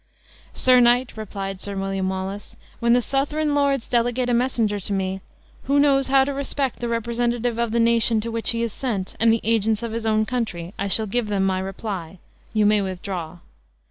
"Sir Knight," replied Sir William Wallace, "when the Southron lords delegate a messenger to me, who knows how to respect the representative of the nation to which he is sent, and the agents of his own country, I shall give them my reply. You may withdraw."